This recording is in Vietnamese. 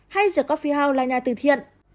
hay the coffee house là nhà từ thiện